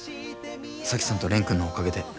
沙樹さんと蓮くんのおかげで。